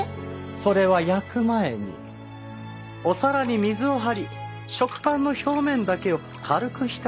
それは焼く前にお皿に水を張り食パンの表面だけを軽く浸します。